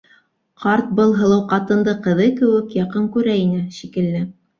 Ҡарт был һылыу ҡатынды ҡыҙы кеүек яҡын күрә ине, шикелле.